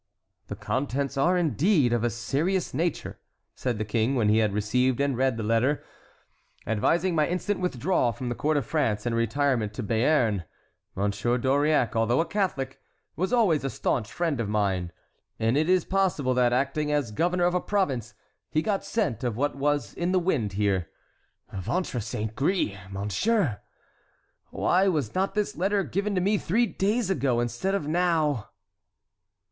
"The contents are, indeed, of a serious nature," said the king, when he had received and read the letter; "advising my instant withdrawal from the court of France, and retirement to Béarn. M. d'Auriac, although a Catholic, was always a stanch friend of mine; and it is possible that, acting as governor of a province, he got scent of what was in the wind here. Ventre saint gris! monsieur! why was not this letter given to me three days ago, instead of now?"